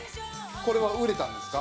これは売れたんですか？